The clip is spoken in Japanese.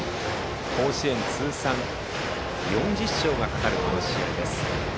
甲子園通算４０勝がかかるこの試合です。